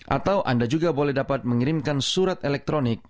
atau anda juga boleh dapat mengirimkan surat elektronik